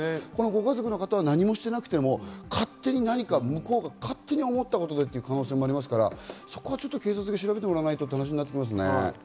ご家族の方は何もしていなくても勝手に向こうが思ったことという可能性もありますから、警察に調べてもらわないとという話ですね。